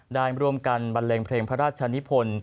ได้รวมกับบั่นเลงเพลงพระราชชานิคน